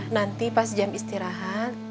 nanti pas jam istirahat